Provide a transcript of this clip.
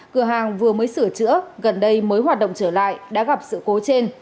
cửa hàng vừa mới sửa chữa gần đây mới hoạt động trở lại đã gặp sự cố trên